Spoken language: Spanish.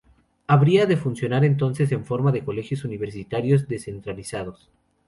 Habría de funcionar entonces, en forma de colegios universitarios descentralizados.